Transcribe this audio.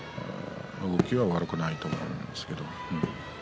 動きは悪くないと思うんですが。